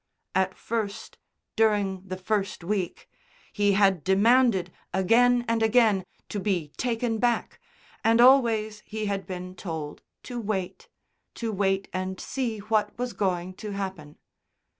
At first, during the first week, he had demanded again and again to be taken back, and always he had been told to wait, to wait and see what was going to happen.